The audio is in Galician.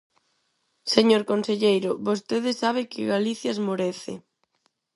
Señor conselleiro, vostede sabe que Galicia esmorece.